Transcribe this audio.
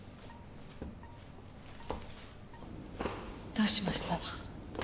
どうしました？